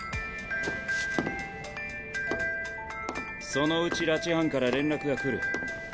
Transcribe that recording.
そのうち拉致犯から連絡が来る。